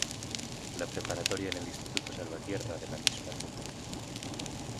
La preparatoria en el Instituto Salvatierra de la misma ciudad.